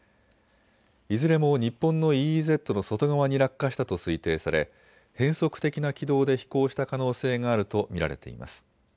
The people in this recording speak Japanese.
いずれも日本のＥＥＺの外側に落下したと推定され変則的な軌道で飛行した可能性があると見られています。